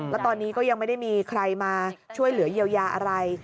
แล้วตอนนี้ก็ยังไม่ได้มีใครมาช่วยเหลือเยียวยาอะไร